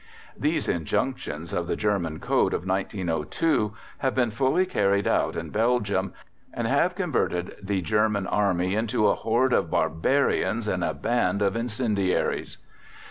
These injunctions of the German Code of 1902 have been fully carried out in Belgium, and have converted the German army into "a horde of barbarians and a band of incendiaries."